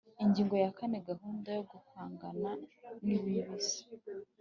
Ingingo ya kane Gahunda yo guhangana n ibiza